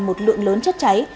một lượng lớn chất cháy